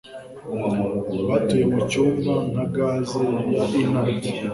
batuye mucyumba nka gaze ya inert